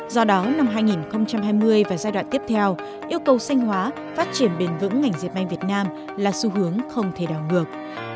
do đó năm hai nghìn hai mươi và giai đoạn tiếp theo yêu cầu sanh hóa phát triển bền vững ngành diệp may việt nam là xu hướng không thể đảo ngược